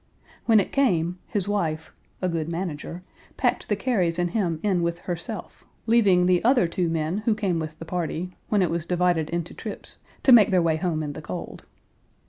When it came, his wife (a good manager) packed the Carys and him in with herself, leaving the other two men who came with the party, when it was divided into "trips," to make their way home in the cold.